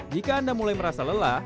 jika anda mulai merasa lelah